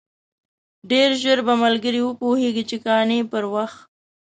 ډېر ژر به ملګري وپوهېږي چې قانع پر وخت.